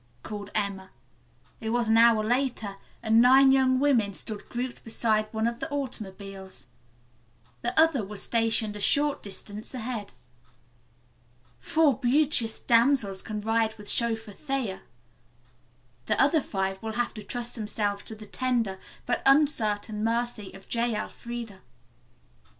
called Emma. It was an hour later, and nine young women stood grouped beside one of the automobiles. The other was stationed a short distance ahead. "Four beauteous damsels can ride with Chauffeur Thayer, the other five will have to trust themselves to the tender, but uncertain, mercy of J. Elfreda."